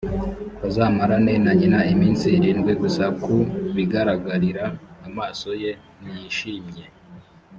bazamarane na nyina iminsi irindwi gusa ku bigaragarira amaso ye ntiyishimye